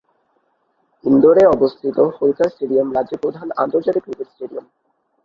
ইন্দোর-এ অবস্থিত হোলকার স্টেডিয়াম রাজ্যের প্রধান আন্তর্জাতিক ক্রিকেট স্টেডিয়াম।